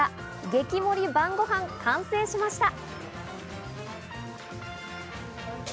激盛り晩ごはん完成しました。